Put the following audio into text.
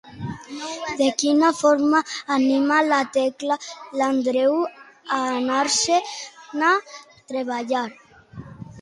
De quina forma anima la Tecla a l'Andreu a anar-se'n a treballar?